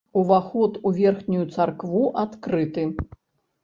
Уваход у верхнюю царкву адкрыты.